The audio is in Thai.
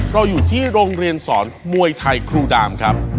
เราอยู่ที่โรงเรียนสอนมวยไทยครูดามครับ